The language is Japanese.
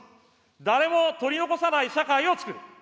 誰も取り残さない社会をつくる。